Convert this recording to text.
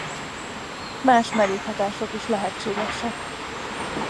Más mellékhatások is lehetségesek.